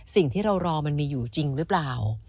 สิ่งที่เรารอมันมีอยู่จริงหรือเปล่า